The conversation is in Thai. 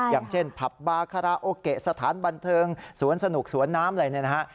อย่างเช่นผับบาคาราโอเกะสถานบันเทิงสวนสนุกสวนน้ำอะไรเนี่ยนะฮะ